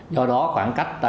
do đó khoảng cách